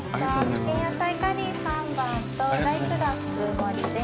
チキン野菜カリー、３番とライスが普通盛りです。